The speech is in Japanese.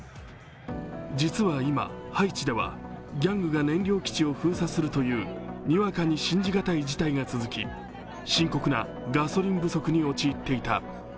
実は今、ハイチではギャングが燃料基地を封鎖するというにわかに信じ難い事態が続き、深刻なガソリン不足に陥っていた。